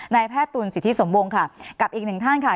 นายแพทย์ตุ๋นสิทธิสมวงค่ะกับอีก๑ท่านค่ะ